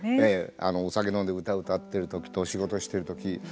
お酒飲んで歌を歌っているときと仕事をしてるとき。